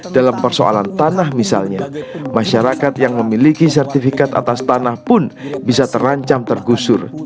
dalam persoalan tanah misalnya masyarakat yang memiliki sertifikat atas tanah pun bisa terancam tergusur